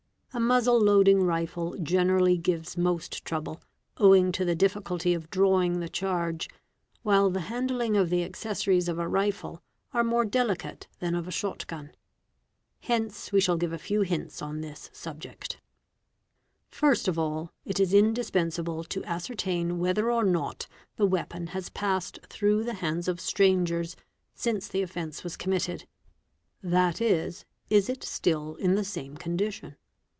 A muzzle loading rifle generally gives most trouble, owing to the difficulty of drawing the charge, while — the handling of the accessories of a rifle are more delicate than of a shot — gun. Hence we shall give a few hints on this subject. First of all, it is indispensable to ascertain whether or not the weapon has passed through the hands of strangers since the offence was comnnitted ; that is, is it still in the same condition?